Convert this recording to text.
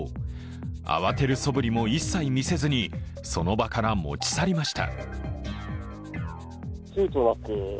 慌てるそぶりも一切見せずにその場から持ち去りました。